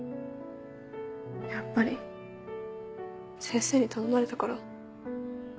やっぱり先生に頼まれたから？